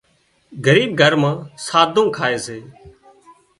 ڳريٻ گھر مان ساڌُون کائي سي